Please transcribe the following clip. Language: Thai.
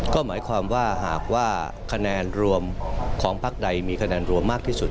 ก็หมายความว่าหากว่าคะแนนรวมของพักใดมีคะแนนรวมมากที่สุด